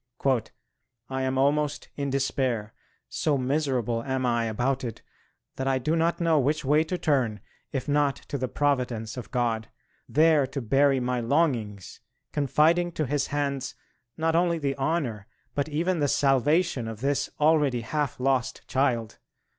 "I am almost in despair ... so miserable am I about it that I do not know which way to turn, if not to the Providence of God, there to bury my longings, confiding to His hands not only the honour but even the salvation of this already half lost child.